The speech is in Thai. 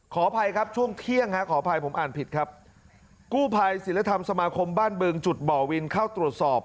ขออภัยครับช่วงเที่ยงฮะขออภัยผมอ่านผิดครับกู้ภัยศิลธรรมสมาคมบ้านบึงจุดบ่อวินเข้าตรวจสอบ